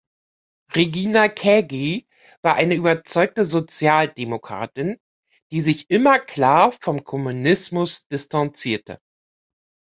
Regina Kägi war eine überzeugte Sozialdemokratin, die sich immer klar vom Kommunismus distanzierte.